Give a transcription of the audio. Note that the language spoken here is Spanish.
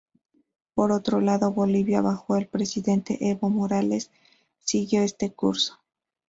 Por otro lado, Bolivia bajo el presidente Evo Morales siguió este curso.